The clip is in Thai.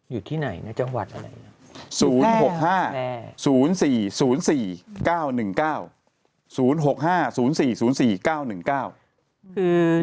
อยู่ที่ไหนนะจังหวัดอะไร